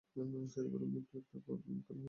শেষবারের মতো একটা খেলা হয়ে যাক।